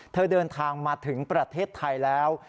เดินทางมาถึงประเทศไทยแล้ว